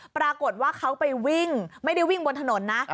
ปรากฏว่าเขาไปวิ่งไม่ได้วิ่งบนถนนนะ